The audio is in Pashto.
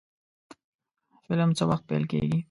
فلم څه وخت پیل کیږي؟